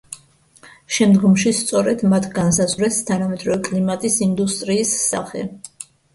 შემდგომში სწორედ მათ განსაზღვრეს თანამედროვე კლიმატის ინდუსტრიის სახე.